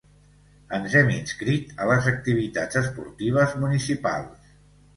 Ens hem inscrit a les activitats esportives municipals.